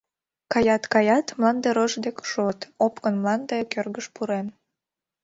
Каят, каят, мланде рож дек шуыт: Опкын мланде кӧргыш пурен.